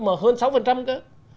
mà hơn sáu cơ